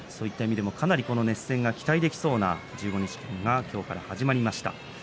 そういった意味でも熱戦が期待できそうな１５日間が今日から始まりました。